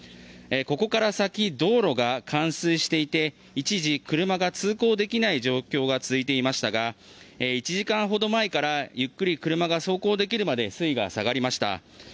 ここから先、道路が冠水していて一時、車が通行できない状況が続いていましたが１時間ほど前からゆっくり車が走行できるまで水位が下がりました。